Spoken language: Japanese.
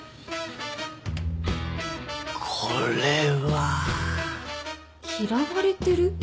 これは。嫌われてる？